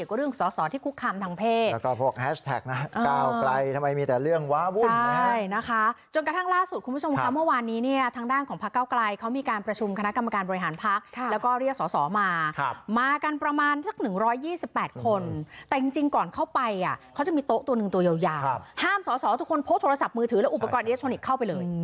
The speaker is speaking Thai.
ห้ามสอสอทุกคนโพสต์โทรศัพท์มือถือแล้วอุปกรณ์อิเล็กทรอนิกส์เข้าไปเลย